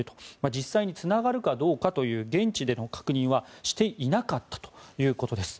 実際につながるかどうかという現地での確認はしていなかったということです。